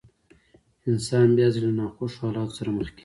انسان بيا ځلې له ناخوښو حالاتو سره مخ کېږي.